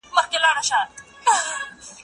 مرګ نعمت ګڼمه رازدی